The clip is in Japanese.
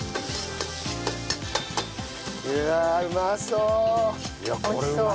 うわあうまそう！